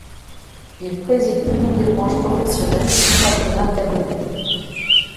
Il préside l'une des Branches Professionnelles du Patronat Gabonais.